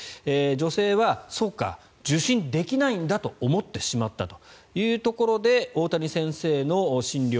女性はそうか、受診できないんだと思ってしまったというところで大谷先生の診療